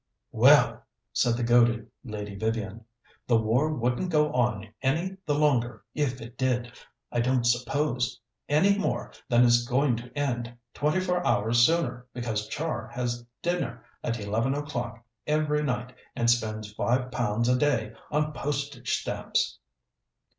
"Well," said the goaded Lady Vivian, "the war wouldn't go on any the longer if it did, I don't suppose any more than it's going to end twenty four hours sooner because Char has dinner at eleven o'clock every night and spends five pounds a day on postage stamps."